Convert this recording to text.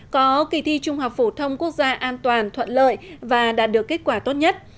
có kỳ thi trung học phổ thông quốc gia an toàn thuận lợi và đạt được kết quả tốt nhất